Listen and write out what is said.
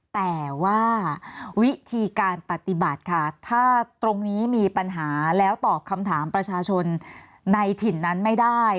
แต่ว่าวิธีการปฏิบัติค่ะถ้าตรงนี้มีปัญหาแล้วตอบคำถามประชาชนในถิ่นนั้นไม่ได้